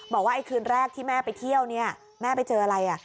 บอกว่าไอ้คืนแรกที่แม่ไปเที่ยวเนี่ยแม่ไปเจออะไร